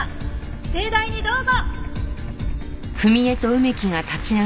盛大にどうぞ！